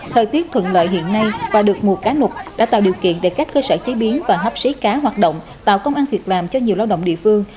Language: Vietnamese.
thời tiết thuận lợi hiện nay và được mùa cá nục đã tạo điều kiện để các cơ sở chế biến và hấp xấy cá hoạt động tạo công an việc làm cho nhiều lao động địa phương